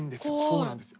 そうなんですよ。